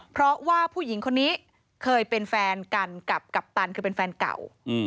เพราะว่าผู้หญิงคนนี้เคยเป็นแฟนกันกับกัปตันคือเป็นแฟนเก่า